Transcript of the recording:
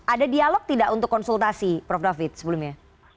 ada dialog tidak untuk konsultasi prof david sebelumnya